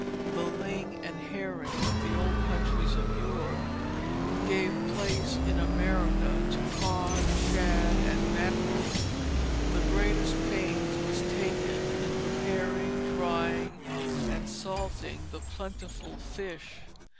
The ling and herring of the old countries of Europe gave place in America to cod, shad, and mackerel. The greatest pains was taken in preparing, drying, and salting the plentiful fish.